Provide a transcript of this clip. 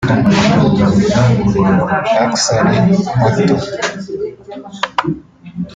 Luxury Hotel